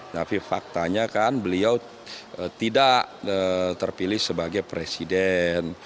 tapi faktanya kan beliau tidak terpilih sebagai presiden